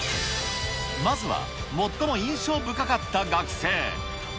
まずは最も印象深かった学生。